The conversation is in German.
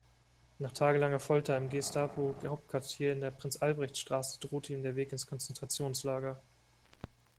Nach tagelanger Folter im Gestapo-Hauptquartier in der Prinz-Albrecht-Straße drohte ihm der Weg ins Konzentrationslager.